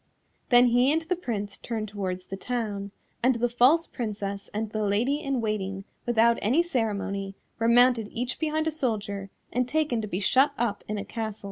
Then he and the Prince turned towards the town, and the false Princess and the Lady in Waiting, without any ceremony, were mounted each behind a soldier and taken to be shut up in a castle.